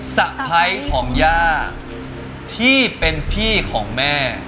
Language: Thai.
สะพ้ายของย่าที่เป็นพี่ของแม่